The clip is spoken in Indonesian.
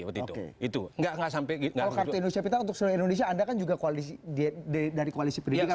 kalau kartu indonesia pintar untuk seluruh indonesia anda kan juga dari koalisi pendidikan